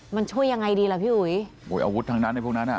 มันช่วยยังไงดีล่ะพี่อุ๋ยโอ้ยอาวุธทั้งนั้นในพวกนั้นอ่ะ